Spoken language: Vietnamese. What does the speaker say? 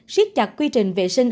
siết chặt quy trình vệ sinh